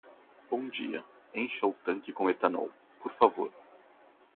Bom dia, encha o tanque com etanol, por favor.